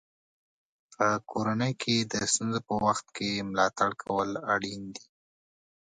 په کورنۍ کې د ستونزو په وخت کې ملاتړ کول اړین دي.